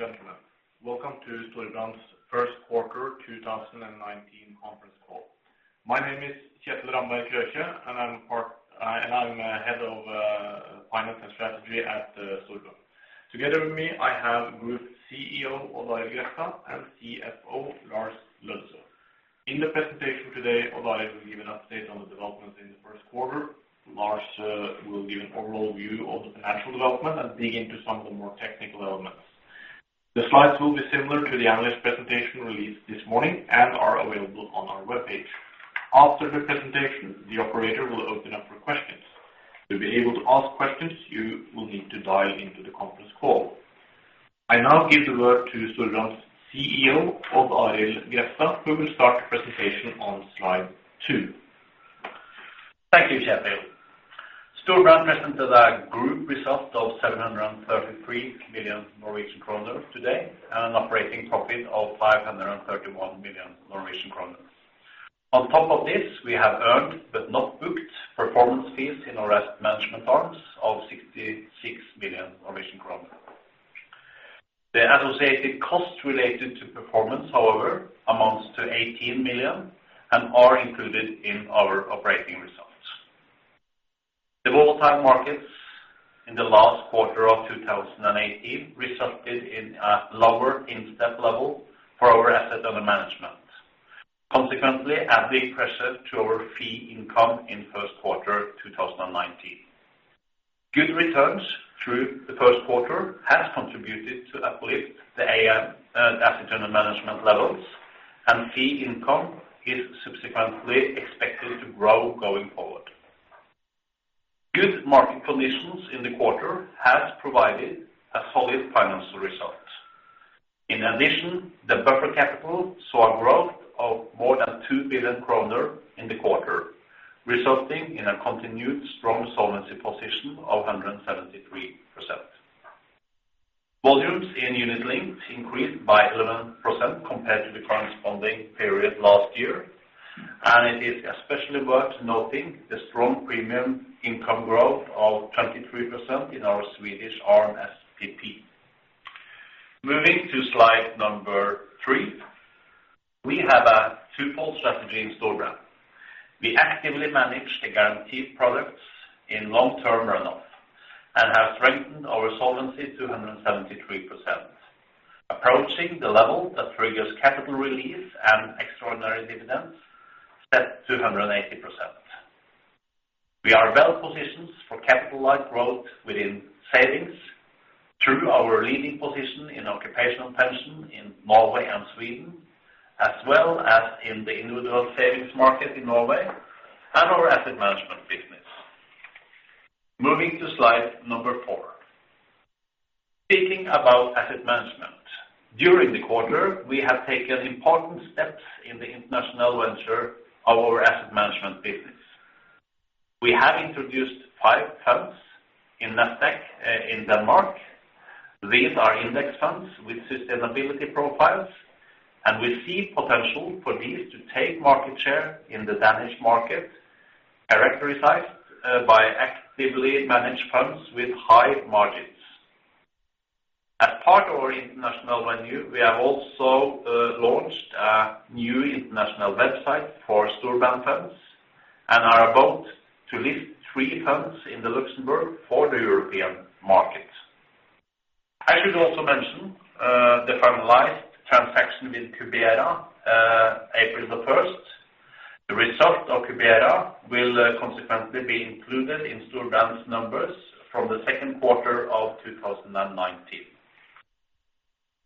Good afternoon, ladies and gentlemen. Welcome to Storebrand's first quarter 2019 conference call. My name is Kjetil Ramberg Krøkje, and I'm head of finance and strategy at Storebrand. Together with me, I have Group CEO Odd Arild Grefstad and CFO Lars Løddesøl. In the presentation today, Odd Arild will give an update on the developments in the first quarter. Lars will give an overall view of the financial development and dig into some of the more technical elements. The slides will be similar to the analyst presentation released this morning, and are available on our webpage. After the presentation, the operator will open up for questions. To be able to ask questions, you will need to dial into the conference call. I now give the word to Storebrand's CEO, Odd Arild Grefstad, who will start the presentation on Slide 2. Thank you, Kjetil. Storebrand presented a group result of 733 million Norwegian kroner today, and an operating profit of 531 million Norwegian kroner. On top of this, we have earned, but not booked, performance fees in our asset management arms of 66 million Norwegian kroner. The associated costs related to performance, however, amounts to 18 million, and are included in our operating results. The volatile markets in the last quarter of 2018 resulted in a lower starting level for our asset under management, consequently, adding pressure to our fee income in first quarter 2019. Good returns through the first quarter has contributed to uplift the AUM, asset under management levels, and fee income is subsequently expected to grow going forward. Good market conditions in the quarter has provided a solid financial result. In addition, the buffer capital saw a growth of more than 2 billion kroner in the quarter, resulting in a continued strong solvency position of 173%. Volumes in Unit Linked increased by 11% compared to the corresponding period last year, and it is especially worth noting the strong premium income growth of 23% in our Swedish arm, SPP. Moving to Slide number 3, we have a twofold strategy in Storebrand. We actively manage the guaranteed products in long-term runoff, and have strengthened our solvency to 173%, approaching the level that triggers capital release and extraordinary dividends, set to 180%. We are well positioned for capital light growth within savings through our leading position in occupational pension in Norway and Sweden, as well as in the individual savings market in Norway and our asset management business. Moving to Slide number 4. Speaking about asset management, during the quarter, we have taken important steps in the international venture of our asset management business. We have introduced five funds in Nasdaq in Denmark. These are index funds with sustainability profiles, and we see potential for these to take market share in the Danish market, characterized by actively managed funds with high margins. As part of our international venue, we have also launched a new international website for Storebrand Funds, and are about to list three funds in Luxembourg for the European market. I should also mention the finalized transaction with Cubera April the first. The result of Cubera will consequently be included in Storebrand's numbers from the second quarter of 2019.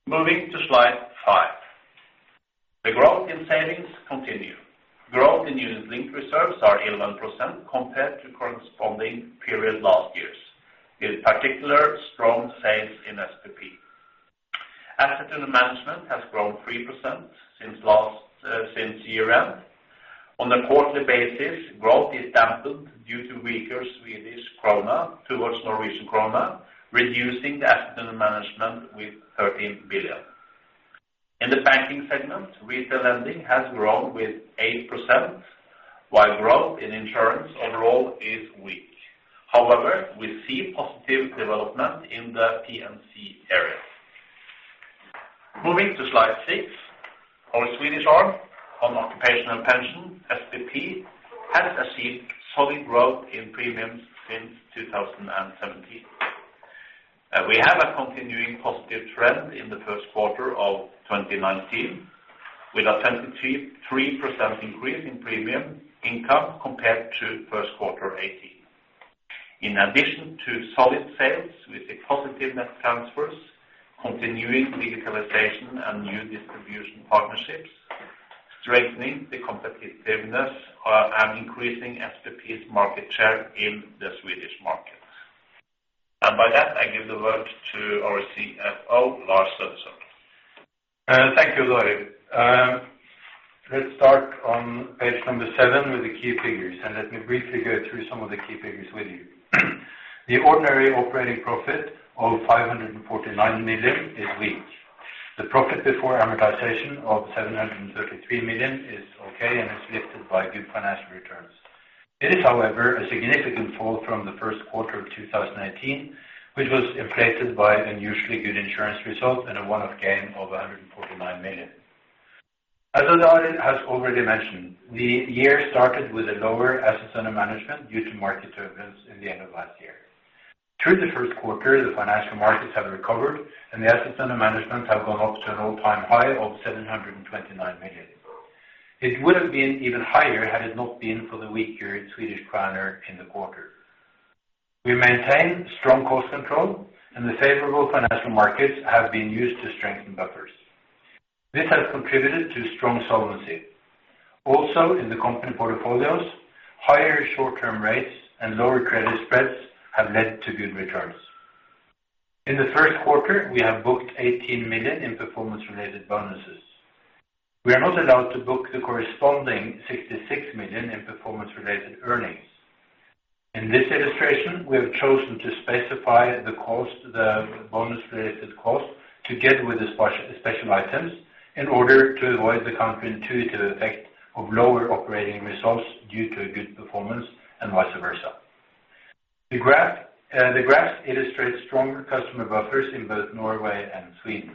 Moving to Slide 5. The growth in savings continue. Growth in unit-linked reserves are 11% compared to corresponding period last year's. In particular, strong sales in SPP. Asset under management has grown 3% since year end. On a quarterly basis, growth is dampened due to weaker Swedish krona towards Norwegian krona, reducing the asset under management with 13 billion. In the banking segment, retail lending has grown with 8%, while growth in insurance overall is weak. However, we see positive development in the P&C area. Moving to Slide 6, our Swedish arm on occupational pension, SPP, has achieved solid growth in premiums since 2017. We have a continuing positive trend in the first quarter of 2019, with a 23% increase in premium income compared to first quarter 2018. In addition to solid sales, with the positive net transfers, continuing digitalization and new distribution partnerships, strengthening the competitiveness, and increasing SPP's market share in the Swedish market. And by that, I give the word to our CFO, Lars Løddesøl. Thank you, Odd Arild. Let's start on Page number 7 with the key figures, and let me briefly go through some of the key figures with you. The ordinary operating profit of 549 million is weak. The profit before amortization of 733 million is okay, and it's lifted by good financial returns. It is, however, a significant fall from the first quarter of 2018, which was inflated by unusually good insurance results and a one-off gain of 149 million. As Odd Arild has already mentioned, the year started with a lower assets under management due to market turbulence in the end of last year. Through the first quarter, the financial markets have recovered, and the assets under management have gone up to an all-time high of 729 million. It would have been even higher had it not been for the weaker Swedish krona in the quarter. We maintain strong cost control, and the favorable financial markets have been used to strengthen buffers. This has contributed to strong solvency. Also, in the company portfolios, higher short term rates and lower credit spreads have led to good returns. In the first quarter, we have booked 18 million in performance related bonuses. We are not allowed to book the corresponding 66 million in performance related earnings. In this illustration, we have chosen to specify the bonus related cost, together with the special items in order to avoid the counterintuitive effect of lower operating results due to a good performance and vice versa. The graph, the graphs illustrates stronger customer buffers in both Norway and Sweden.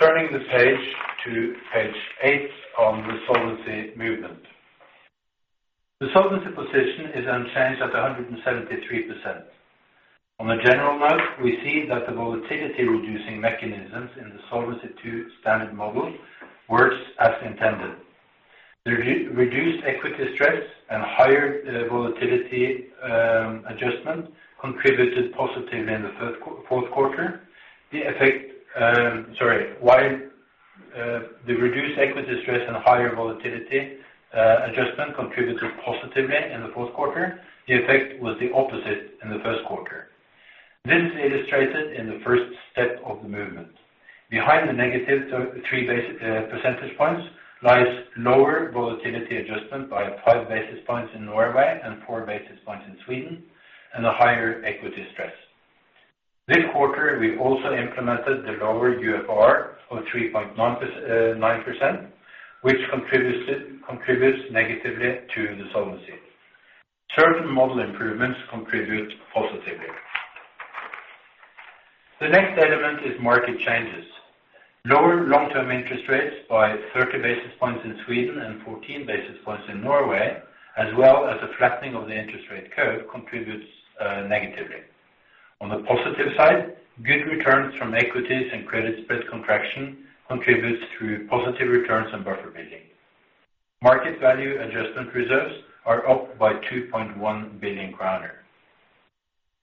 Turning the page to Page 8 on the solvency movement. The solvency position is unchanged at 173%. On a general note, we see that the volatility reducing mechanisms in the Solvency II standard model works as intended. The reduced equity stress and higher volatility adjustment contributed positively in the fourth quarter. While the reduced equity stress and higher volatility adjustment contributed positively in the fourth quarter, the effect was the opposite in the first quarter. This is illustrated in the first step of the movement. Behind the -23 basis points lies lower volatility adjustment by 5 basis points in Norway and 4 basis points in Sweden, and a higher equity stress. This quarter, we also implemented the lower UFR of 3.9%, which contributes negatively to the solvency. Certain model improvements contribute positively. The next element is market changes. Lower long-term interest rates by 30 basis points in Sweden and 14 basis points in Norway, as well as a flattening of the interest rate curve, contributes negatively. On the positive side, good returns from equities and credit spread contraction contributes through positive returns and buffer building. Market Value Adjustment Reserves are up by 2.1 billion kroner.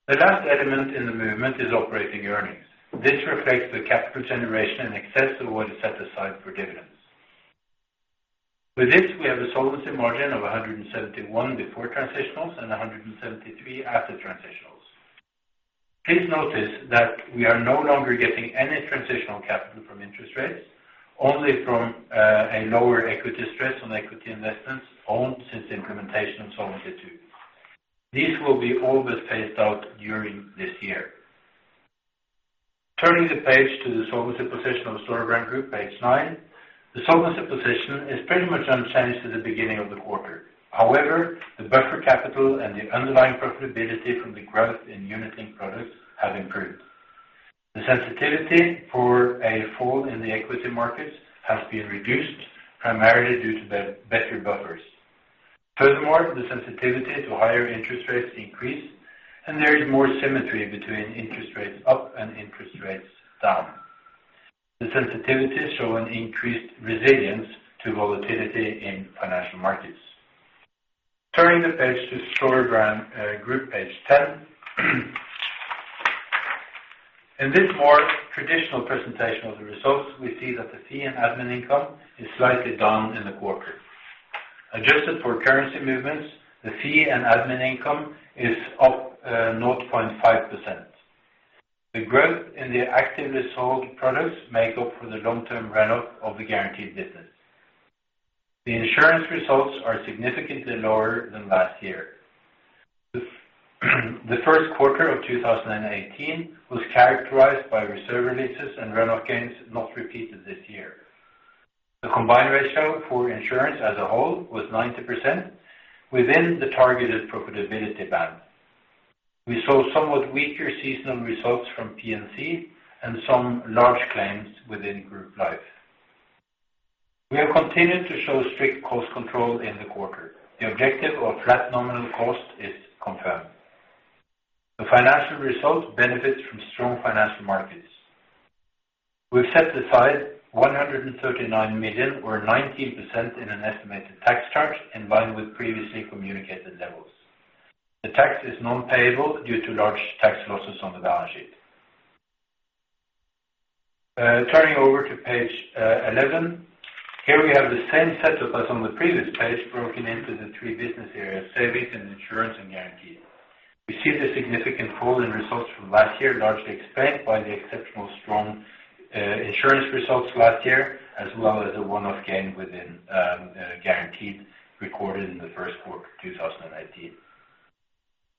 The last element in the movement is operating earnings. This reflects the capital generation in excess of what is set aside for dividends. With this, we have a solvency margin of 171 before transitionals and 173 after transitionals. Please notice that we are no longer getting any transitional capital from interest rates, only from a lower equity stress on equity investments owned since the implementation of Solvency II. These will be almost phased out during this year. Turning the page to the solvency position of Storebrand Group, Page 9. The solvency position is pretty much unchanged to the beginning of the quarter. However, the buffer capital and the underlying profitability from the growth in unit linked products have improved. The sensitivity for a fall in the equity markets has been reduced, primarily due to the better buffers. Furthermore, the sensitivity to higher interest rates increase, and there is more symmetry between interest rates up and interest rates down. The sensitivities show an increased resilience to volatility in financial markets. Turning the page to Storebrand Group, Page 10. In this more traditional presentation of the results, we see that the fee and admin income is slightly down in the quarter. Adjusted for currency movements, the fee and admin income is up 0.5%. The growth in the actively sold products make up for the long-term run-off of the guaranteed business. The insurance results are significantly lower than last year. The first quarter of 2018 was characterized by reserve releases and runoff gains not repeated this year. The combined ratio for insurance as a whole was 90% within the targeted profitability band. We saw somewhat weaker seasonal results from P&C and some large claims within group life. We have continued to show strict cost control in the quarter. The objective of flat nominal cost is confirmed. The financial results benefit from strong financial markets. We've set aside 139 million, or 19%, in an estimated tax charge in line with previously communicated levels. The tax is non-payable due to large tax losses on the balance sheet. Turning over to Page 11. Here we have the same setup as on the previous page, broken into the three business areas, savings and insurance and guarantees. We see the significant fall in results from last year, largely explained by the exceptional strong insurance results last year, as well as a one-off gain within guaranteed, recorded in the first quarter of 2018.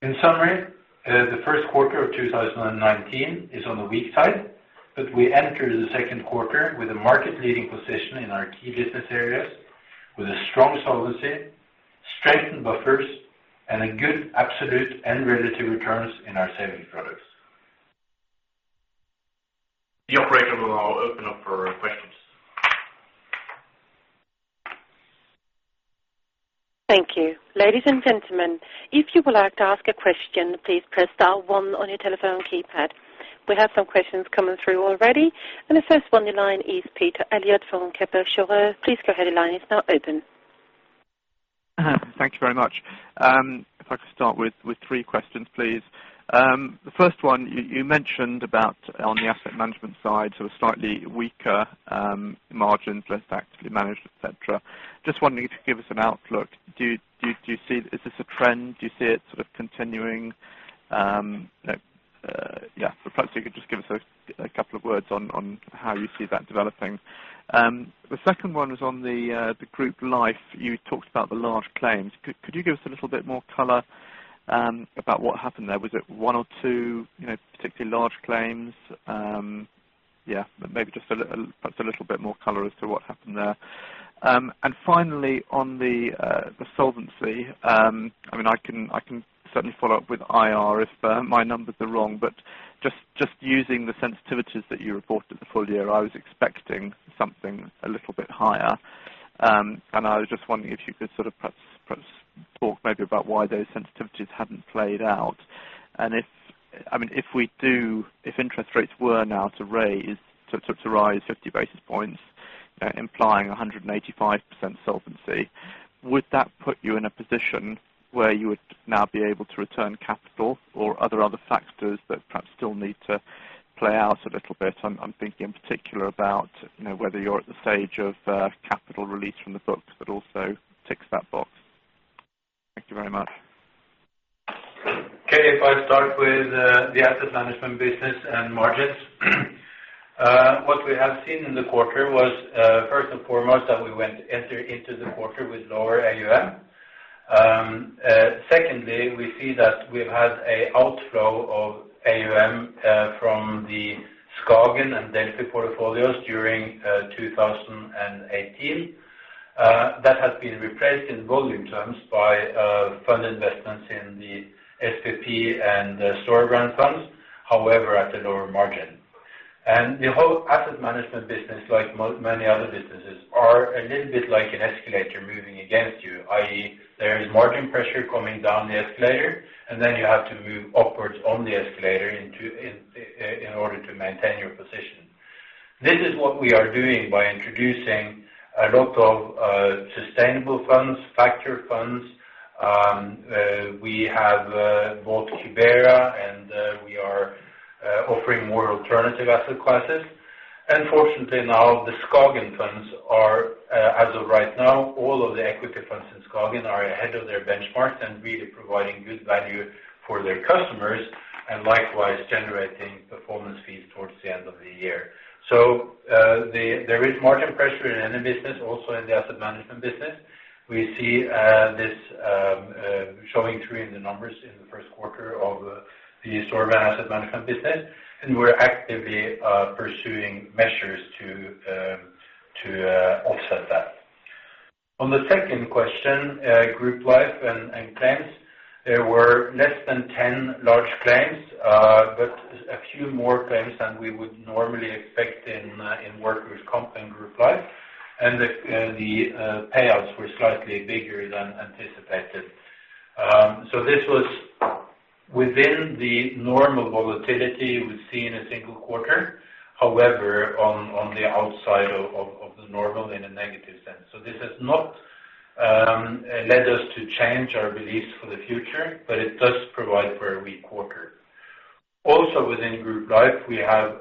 In summary, the first quarter of 2019 is on the weak side, but we enter the second quarter with a market leading position in our key business areas, with a strong solvency, strengthened buffers, and a good absolute and relative returns in our savings products. The operator will now open up for questions. Thank you. Ladies and gentlemen, if you would like to ask a question, please press star one on your telephone keypad. We have some questions coming through already, and the first one in line is Peter Eliot from Kepler Cheuvreux. Please go ahead, the line is now open. Thank you very much. If I could start with, with three questions, please. The first one, you, you mentioned about on the asset management side, so a slightly weaker, margins, less actively managed, et cetera. Just wondering if you could give us an outlook. Is this a trend? Do you see it sort of continuing? Yeah, perhaps you could just give us a, a couple of words on, on how you see that developing. The second one was on the, the group life. You talked about the large claims. Could you give us a little bit more color, about what happened there? Was it one or two, you know, particularly large claims? Yeah, maybe just a little, perhaps a little bit more color as to what happened there. Finally, on the solvency, I mean, I can certainly follow up with IR if my numbers are wrong, but just using the sensitivities that you reported the full year, I was expecting something a little bit higher. I was just wondering if you could sort of perhaps talk maybe about why those sensitivities hadn't played out. I mean, if interest rates were now to rise 50 basis points, implying 185% solvency, would that put you in a position where you would now be able to return capital or are there other factors that perhaps still need to play out a little bit? I'm thinking in particular about, you know, whether you're at the stage of capital release from the books, but also ticks that box. Thank you very much. Okay, if I start with the asset management business and margins. What we have seen in the quarter was, first and foremost, that we went into the quarter with lower AUM. Secondly, we see that we've had an outflow of AUM from the Skagen and Delphi portfolios during 2018. That has been replaced in volume terms by fund investments in the SPP and Storebrand funds. However, at a lower margin. And the whole asset management business, like many other businesses, are a little bit like an escalator moving against you, i.e., there is margin pressure coming down the escalator, and then you have to move upwards on the escalator in order to maintain your position. This is what we are doing by introducing a lot of sustainable funds, factor funds. We have bought Cubera, and we are offering more alternative asset classes. Fortunately, now, the Skagen funds are, as of right now, all of the equity funds in Skagen are ahead of their benchmarks and really providing good value for their customers, and likewise, generating performance fees towards the end of the year. So, there is margin pressure in the business, also in the asset management business. We see this showing through in the numbers in the first quarter of the Storebrand Asset Management business, and we're actively pursuing measures to offset that. On the second question, group life and claims, there were less than 10 large claims, but a few more claims than we would normally expect in workers' comp and group life. The payouts were slightly bigger than anticipated. So this was within the normal volatility we see in a single quarter. However, on the outside of the normal in a negative sense. So this has not led us to change our beliefs for the future, but it does provide for a weak quarter. Also, within group life, we have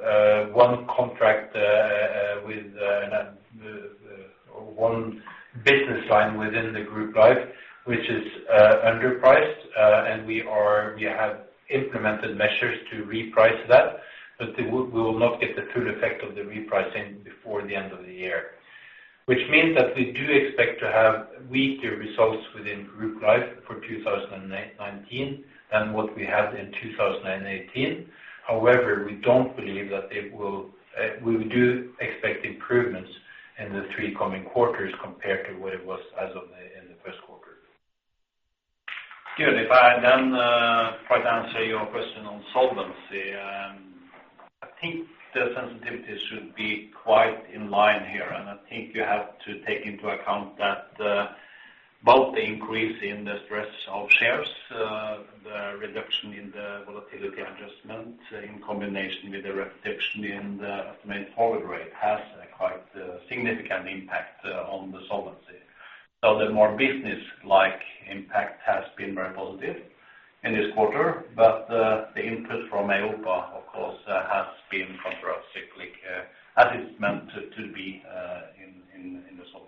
one business line within the group life, which is underpriced, and we have implemented measures to reprice that, but we will not get the full effect of the repricing before the end of the year. Which means that we do expect to have weaker results within group life for 2019 than what we had in 2018. However, we don't believe that it will. We do expect improvements in the three coming quarters compared to what it was as of the, in the first quarter. Sure. If I then try to answer your question on solvency, I think the sensitivity should be quite in line here, and I think you have to take into account that both the increase in the stress of shares, the reduction in the Volatility Adjustment, in combination with the reduction in the estimated forward rate, has a quite significant impact on the solvency. So the more businesslike impact has been very positive in this quarter, but the input from EIOPA, of course, has been countercyclical, as it's meant to be in the solvency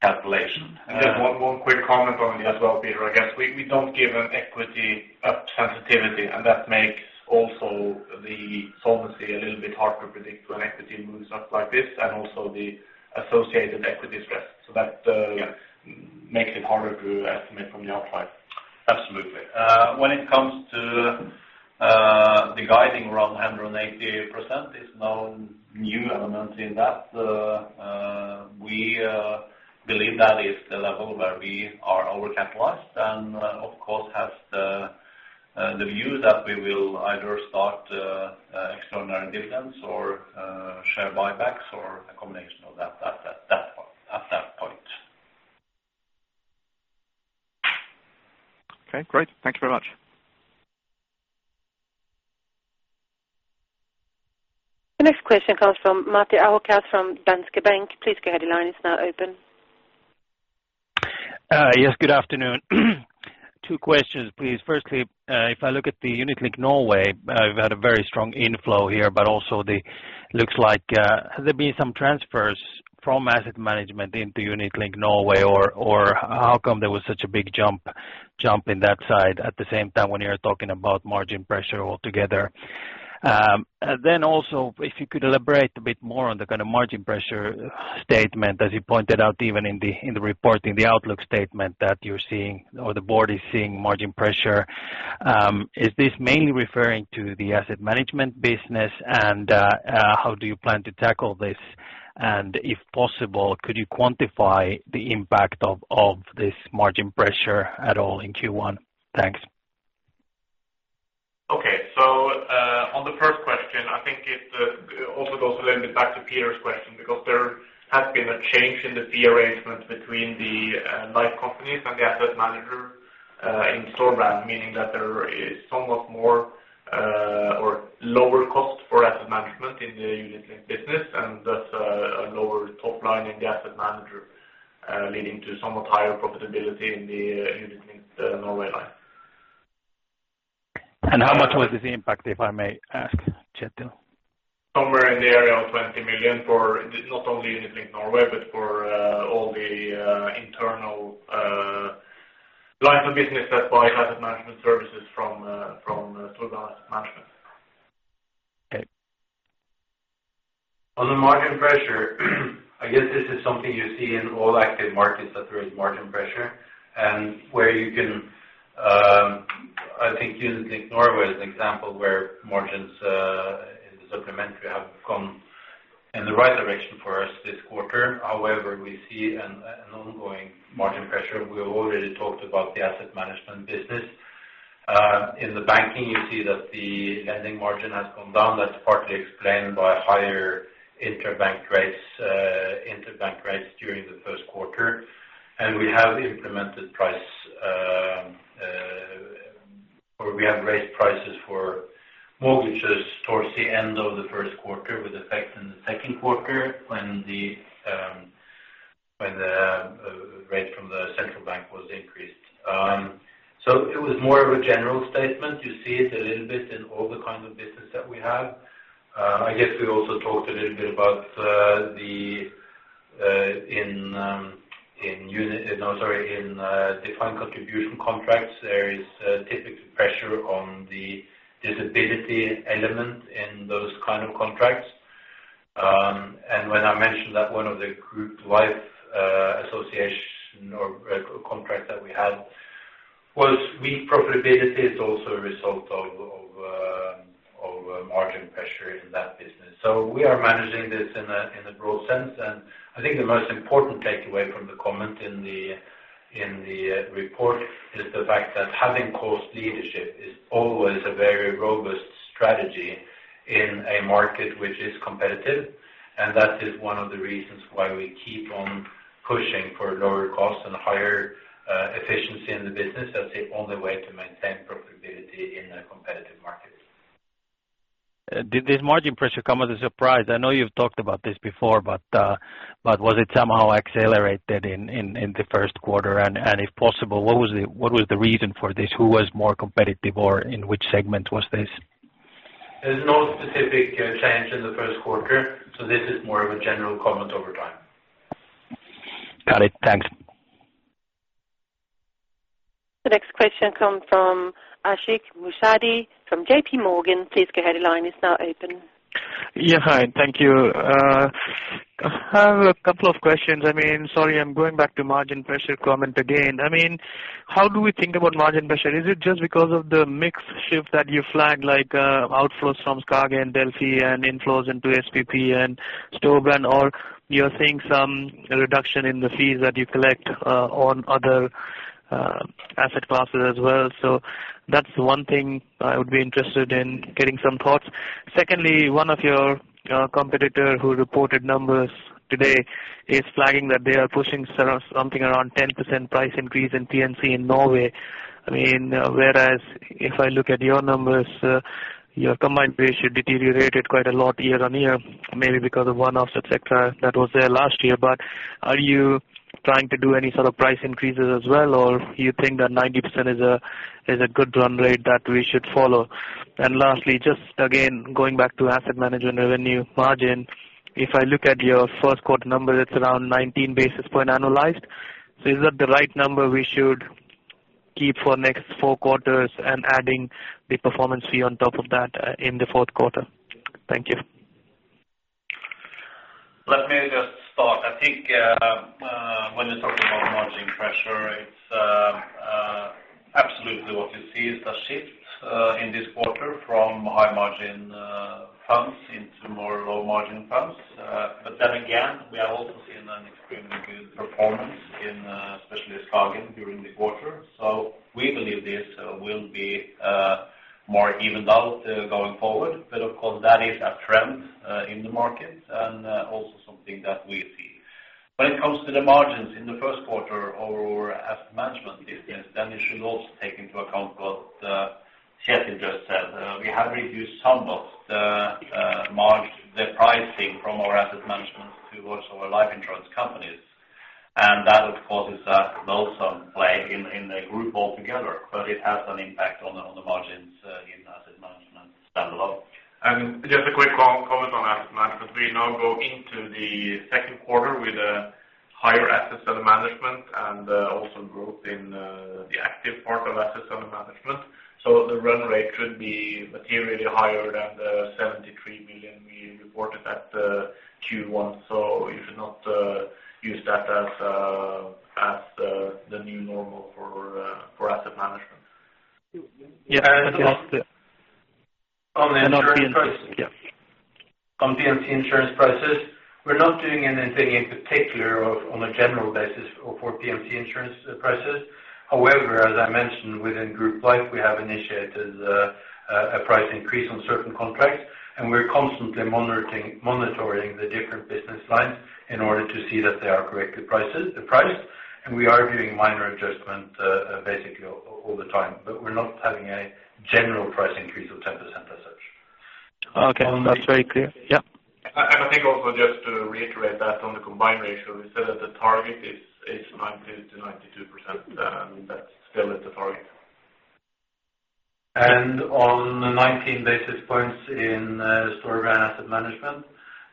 calculation. Just one quick comment on it as well, Peter, I guess. We don't give an equity up sensitivity, and that makes also the solvency a little bit hard to predict when equity moves up like this, and also the associated equity stress. So that makes it harder to estimate from the outside. Absolutely. When it comes to the guiding around 180%, there's no new element in that. We believe that is the level where we are overcapitalized, and of course has the view that we will either start extraordinary dividends or share buybacks or a combination of that, at that point. Okay, great. Thank you very much. The next question comes from Matti Ahokas from Danske Bank. Please go ahead, your line is now open. Yes, good afternoon. Two questions, please. Firstly, if I look at the Unit Linked Norway, we've had a very strong inflow here, but also it looks like, has there been some transfers from asset management into Unit Linked Norway, or how come there was such a big jump, jump in that side at the same time when you're talking about margin pressure altogether? Then also, if you could elaborate a bit more on the kind of margin pressure statement, as you pointed out, even in the report, in the outlook statement that you're seeing or the board is seeing margin pressure. Is this mainly referring to the asset management business, and, uh, uh, how do you plan to tackle this? And if possible, could you quantify the impact of this margin pressure at all in Q1? Thanks. Okay. So, on the first question, I think it also goes a little bit back to Peter's question, because there has been a change in the fee arrangement between the life companies and the asset manager in Storebrand, meaning that there is somewhat more or lower cost for asset management in the Unit Linked business, and thus, a lower top line in the asset manager, leading to somewhat higher profitability in the Unit Linked Norway line. How much was this impact, if I may ask, Kjetil? Somewhere in the area of 20 million for not only Unit Linked Norway, but for all the internal lines of business that buy asset management services from Storebrand Asset Management. Okay. On the margin pressure, I guess this is something you see in all active markets, that there is margin pressure. And where you can, I think Unit Linked Norway is an example where margins in the supplementary have gone in the right direction for us this quarter. However, we see an ongoing margin pressure. We have already talked about the asset management business. In the banking, you see that the lending margin has come down. That's partly explained by higher interbank rates, interbank rates during the first quarter. And we have implemented price, or we have raised prices for mortgages towards the end of the first quarter, with effect in the second quarter, when the rate from the central bank was increased. So it was more of a general statement. You see it a little bit in all the kind of business that we have. I guess we also talked a little bit about in defined contribution contracts, there is a typical pressure on the disability element in those kind of contracts. And when I mentioned that one of the group life association or contract that we had was weak profitability, is also a result of margin pressure in that business. We are managing this in a broad sense, and I think the most important takeaway from the comment in the report is the fact that having cost leadership is always a very robust strategy in a market which is competitive, and that is one of the reasons why we keep on pushing for lower costs and higher efficiency in the business. That's the only way to maintain profitability in a competitive market. Did this margin pressure come as a surprise? I know you've talked about this before, but was it somehow accelerated in the first quarter? And if possible, what was the reason for this? Who was more competitive, or in which segment was this? There's no specific change in the first quarter, so this is more of a general comment over time. Got it. Thanks. The next question comes from Ashik Musaddi from JPMorgan. Please go ahead, your line is now open. Yeah. Hi, thank you. I have a couple of questions. I mean, sorry, I'm going back to margin pressure comment again. I mean, how do we think about margin pressure? Is it just because of the mix shift that you flagged, like, outflows from Skagen and Delphi and inflows into SPP and Storebrand? Or you're seeing some reduction in the fees that you collect, on other, asset classes as well? So that's one thing I would be interested in getting some thoughts. Secondly, one of your, competitor, who reported numbers today, is flagging that they are pushing sort of something around 10% price increase in P&C in Norway. I mean, whereas if I look at your numbers, your combined ratio deteriorated quite a lot year-on-year, maybe because of one-offs, et cetera, that was there last year. But are you trying to do any sort of price increases as well, or you think that 90% is a, is a good run rate that we should follow? And lastly, just again, going back to asset management revenue margin. If I look at your first quarter number, it's around 19 basis point annualized. So is that the right number we should keep for next four quarters and adding the performance fee on top of that, in the fourth quarter? Thank you. Let me just start. I think, when you're talking about margin pressure, it's absolutely what you see is a shift in this quarter from high margin funds into more low margin funds. But then again, we have also seen an extremely good performance in, especially Skagen during the quarter. So we believe this will be more evened out going forward. But of course, that is a trend in the market and also something that we see. When it comes to the margins in the first quarter or asset management business, then you should also take into account what Kjetil just said. We have reduced some of the the pricing from our asset management towards our life insurance companies. That, of course, is also play in the group altogether, but it has an impact on the margins in asset management standalone. Just a quick comment on asset management. We now go into the second quarter with higher assets under management and also growth in the active part of assets under management. So the run rate should be materially higher than the 73 million we reported at Q1. So you should not use that as the new normal for asset management. Yeah. And on the- On the insurance prices. Yeah. On P&C insurance prices, we're not doing anything in particular or on a general basis or for P&C insurance prices. However, as I mentioned, within Group Life, we have initiated a price increase on certain contracts, and we're constantly monitoring the different business lines in order to see that they are correctly priced. And we are doing minor adjustment basically all the time, but we're not having a general price increase of 10% as such. Okay, that's very clear. Yeah. I think also, just to reiterate that on the Combined Ratio, we said that the target is 90%-92%, that's still at the target. On the 19 basis points in Storebrand Asset Management,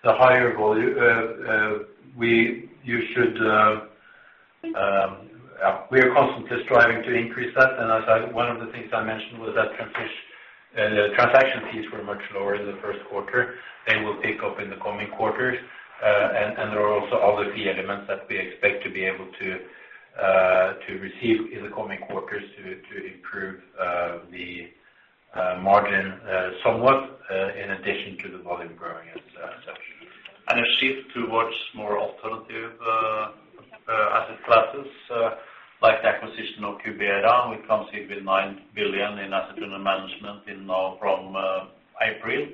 the higher volume, we are constantly striving to increase that. And one of the things I mentioned was that transaction fees were much lower in the first quarter. They will pick up in the coming quarters, and there are also other key elements that we expect to be able to receive in the coming quarters to improve the margin somewhat, in addition to the volume growing as such. And a shift towards more alternative asset classes, like the acquisition of Cubera, which comes in with 9 billion in assets under management now from April,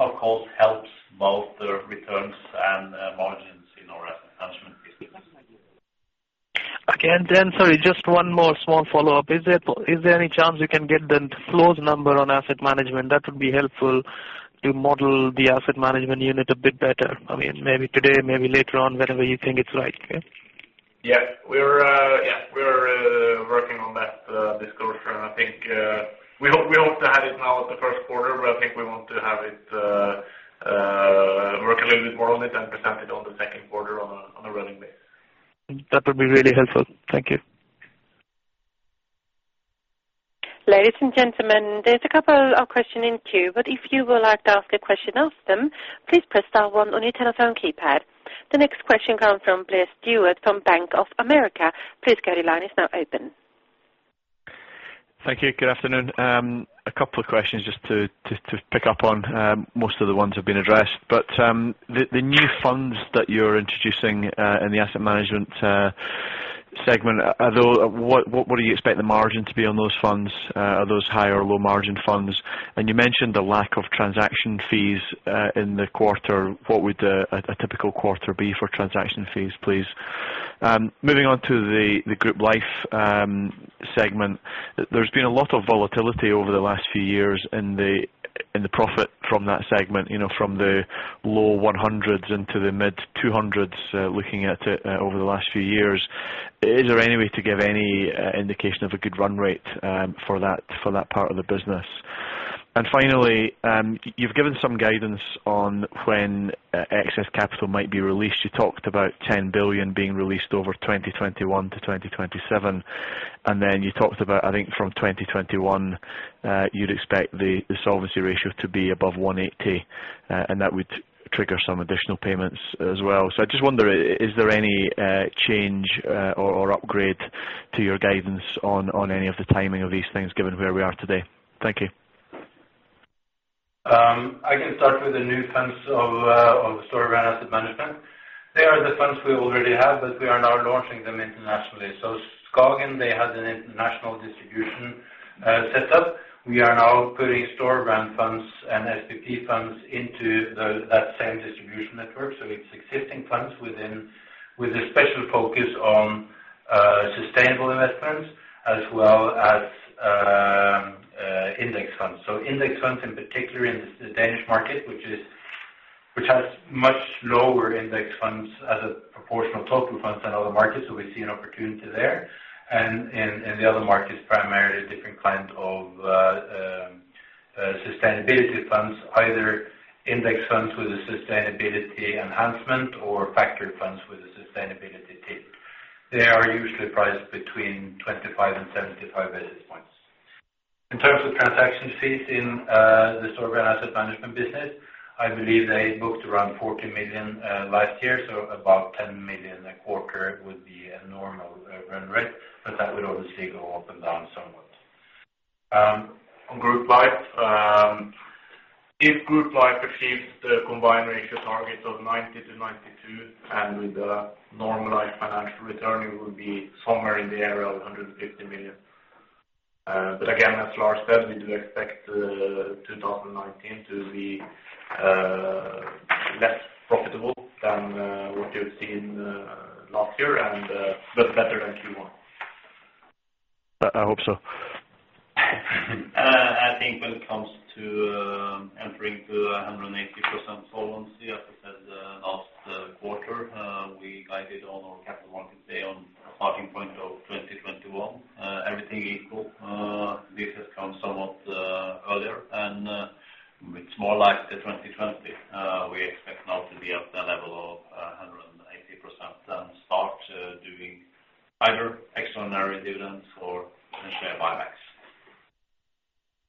of course, helps both the returns and margins in our asset management business. Okay. And then, sorry, just one more small follow-up. Is there, is there any chance you can get the close number on asset management? That would be helpful to model the asset management unit a bit better. I mean, maybe today, maybe later on, whenever you think it's right, okay? Yeah. We're, yeah, we're working on that disclosure. I think we hope to have it now the first quarter, but I think we want to work a little bit more on it and present it on the second quarter on a running basis. That would be really helpful. Thank you. Ladies and gentlemen, there's a couple of questions in queue, but if you would like to ask a question, ask them, please press star one on your telephone keypad. The next question comes from Blair Stewart from Bank of America. Please go ahead, your line is now open. Thank you. Good afternoon. A couple of questions just to pick up on, most of the ones have been addressed. But the new funds that you're introducing in the Asset Management segment, what do you expect the margin to be on those funds? Are those high or low margin funds? And you mentioned the lack of transaction fees in the quarter. What would a typical quarter be for transaction fees, please? Moving on to the Group Life segment. There's been a lot of volatility over the last few years in the profit from that segment, you know, from the low 100s into the mid 200s, looking at it over the last few years. Is there any way to give any indication of a good run rate for that, for that part of the business? And finally, you've given some guidance on when excess capital might be released. You talked about 10 billion being released over 2021-2027, and then you talked about, I think from 2021, you'd expect the solvency ratio to be above 180, and that would trigger some additional payments as well. So I just wonder, is there any change or upgrade to your guidance on any of the timing of these things, given where we are today? Thank you. I can start with the new funds of Storebrand Asset Management. They are the funds we already have, but we are now launching them internationally. So Skagen, they had an international distribution set up. We are now putting Storebrand funds and SPP funds into that same distribution network. So it's existing funds with a special focus on sustainable investments as well as index funds. So index funds, in particular in the Danish market, which has much lower index funds as a proportion of total funds than other markets, so we see an opportunity there. And in the other markets, primarily different kinds of sustainability funds, either index funds with a sustainability enhancement or factor funds with a sustainability take. They are usually priced between 25 basis points-75 basis points. In terms of transaction fees in the Storebrand Asset Management business, I believe they booked around 14 million last year, so about 10 million a quarter would be a normal run rate, but that would obviously go up and down somewhat. On Group Life, if Group Life achieves the combined ratio target of 90-92, and with the normalized financial return, it will be somewhere in the area of 150 million. But again, as Lars said, we do expect 2019 to be less profitable than what you've seen last year and but better than Q1. I hope so. I think when it comes to entering the 180% solvency, as I said last quarter, we guided on our capital markets day on a starting point of 2021. Everything equal, this has come somewhat earlier, and it's more like the 2020. We expect now to be at the level of 180%, then start doing either extraordinary dividends or share buybacks.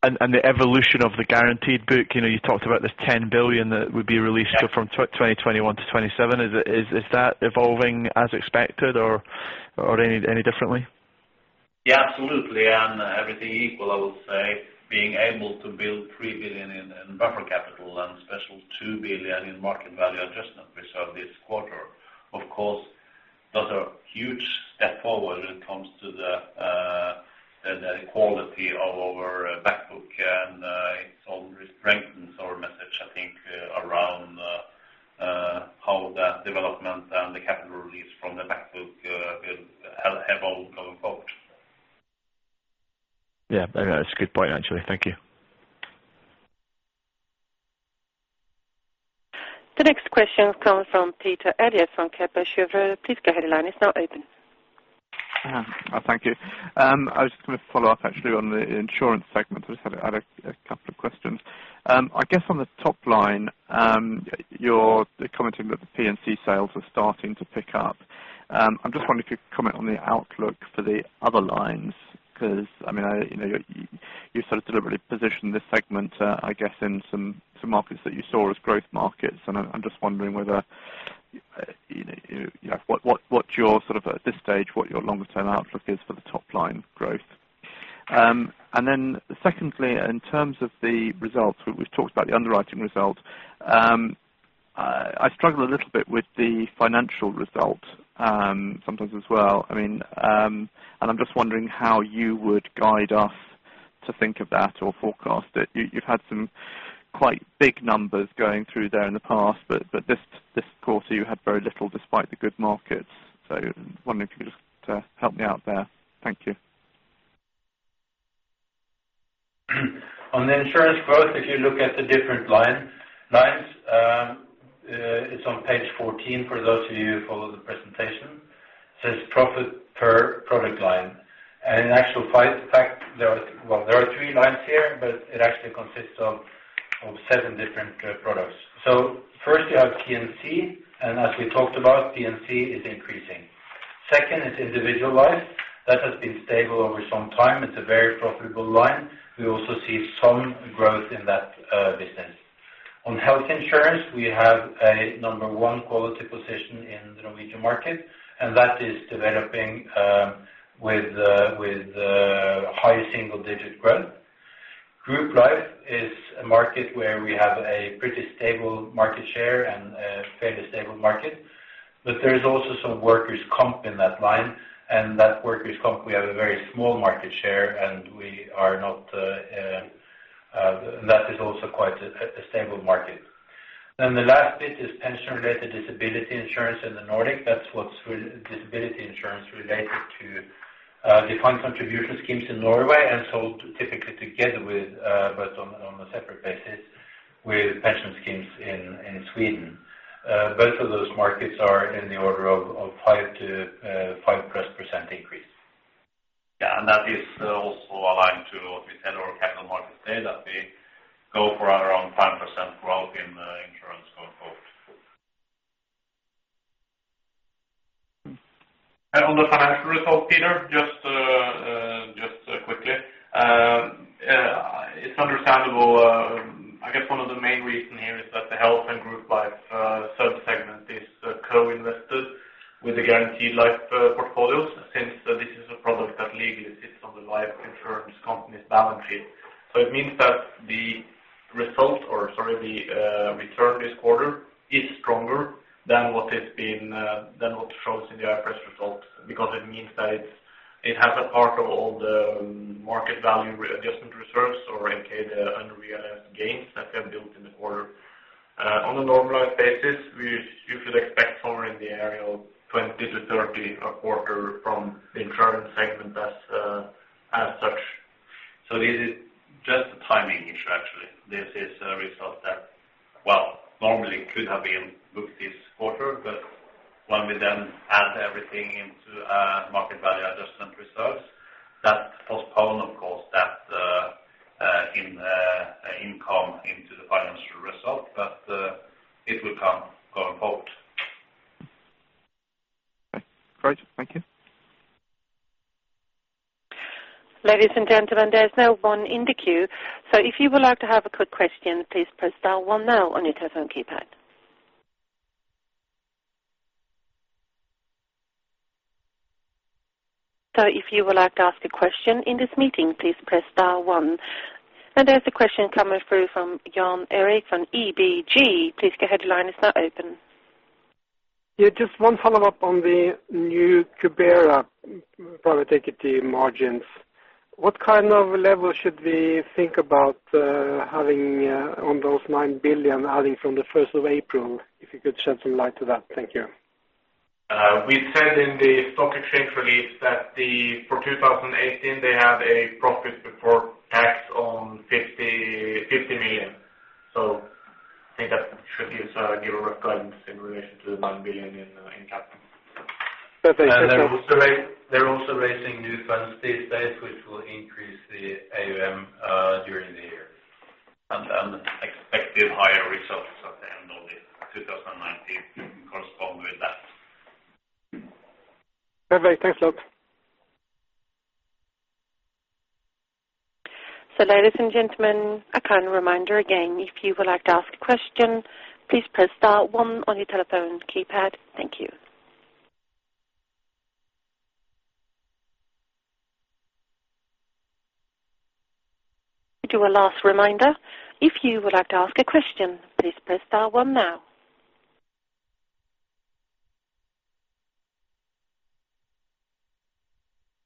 the evolution of the guaranteed book, you know, you talked about this 10 billion that would be released- Yeah. from 2021 to 2027. Is it, is that evolving as expected or any differently? Yeah, absolutely. Everything equal, I would say, being able to build 3 billion in buffer capital and especially 2 billion in Market Value Adjustment Reserve this quarter. Of course, that's a huge step forward when it comes to the quality of our back book, and it only strengthens our message, I think, around how that development and the capital release from the back book will evolve going forward. Yeah, that's a good point, actually. Thank you. The next question comes from Peter Eliot from Kepler Cheuvreux. Please go ahead, the line is now open. Thank you. I was just gonna follow up actually on the insurance segment. I just had a couple of questions. I guess on the top line, you're commenting that the P&C sales are starting to pick up. I'm just wondering if you could comment on the outlook for the other lines, 'cause, I mean, you know, you sort of deliberately positioned this segment, I guess, in some markets that you saw as growth markets. And I'm just wondering whether, you know, what your sort of, at this stage, your longer-term outlook is for the top line growth? And then secondly, in terms of the results, we've talked about the underwriting results. I struggle a little bit with the financial results, sometimes as well. I mean, and I'm just wondering how you would guide us to think of that or forecast it. You've had some quite big numbers going through there in the past, but this quarter, you had very little despite the good markets. So, wondering if you could just help me out there. Thank you. On the insurance growth, if you look at the different lines, it's on Page 14, for those of you who follow the presentation. It says: Profit per product line. And in actual fact, there are three lines here, but it actually consists of seven different products. So firstly, you have P&C, and as we talked about, P&C is increasing. Second is individual life. That has been stable over some time. It's a very profitable line. We also see some growth in that business. On health insurance, we have a number one quality position in the Norwegian market, and that is developing with high single-digit growth. Group Life is a market where we have a pretty stable market share and a fairly stable market. But there is also some workers' comp in that line, and that workers' comp, we have a very small market share, and we are not. That is also quite a stable market. Then the last bit is pension-related disability insurance in the Nordic. That's what's with disability insurance related to defined contribution schemes in Norway and sold typically together with, but on a separate basis, with pension schemes in Sweden. Both of those markets are in the order of 5%-5+% increase. Yeah, and that is also aligned to what we said our capital markets day, that we go for around 5% growth in insurance going forward. And on the financial results, Peter, just quickly, it's understandable. I guess one of the main reason here is that the Health and Group Life service segment is co-invested with the guaranteed life portfolios, since this is a product that legally sits on the life insurance company's balance sheet. So it means that the result, or sorry, the return this quarter is stronger than what is being than what shows in the IFRS results, because it means that it has a part of all the Market Value Adjustment Reserves, or aka the unrealized gains that were built in the quarter. On a normalized basis, you should expect somewhere in the area of 20-30 a quarter from the insurance segment as such. So this is just a timing issue, actually. This is a result that, well, normally could have been booked this quarter, but when we then add everything into Market Value Adjustment Reserve, that postpone, of course, that in income into the financial result, but it will come going forward. Thank you. Ladies and gentlemen, there is no one in the queue, so if you would like to have a quick question, please press star one now on your telephone keypad. So if you would like to ask a question in this meeting, please press star one. And there's a question coming through from Jan Erik from ABG. Please go ahead, the line is now open. Yeah, just one follow-up on the new Cubera Private Equity margins. What kind of level should we think about, having, on those 9 billion adding from the first of April? If you could shed some light to that. Thank you. We said in the stock exchange release that for 2018, they have a profit before tax on 550 million. So I think that should give a rough guidance in relation to the 1 billion in capital. Perfect. They're also raising, they're also raising new funds these days, which will increase the AUM during the year, and expected higher results at the end of 2019 correspond with that. Perfect. Thanks a lot. So ladies and gentlemen, a kind reminder again, if you would like to ask a question, please press star one on your telephone keypad. Thank you. Do a last reminder, if you would like to ask a question, please press star one now.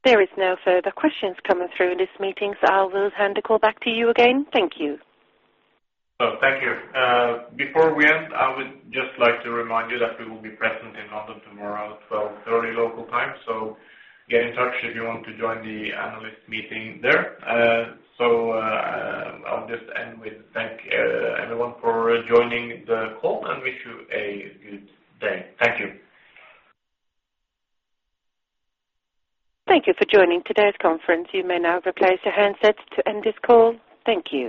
There is no further questions coming through in this meeting, so I will hand the call back to you again. Thank you. Oh, thank you. Before we end, I would just like to remind you that we will be present in London tomorrow at 12:30 local time, so get in touch if you want to join the analyst meeting there. So, I'll just end with thank everyone for joining the call, and wish you a good day. Thank you. Thank you for joining today's conference. You may now replace your handsets to end this call. Thank you.